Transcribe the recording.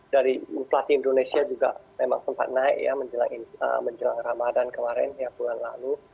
dari inflasi indonesia juga memang sempat naik ya menjelang ramadhan kemarin ya bulan lalu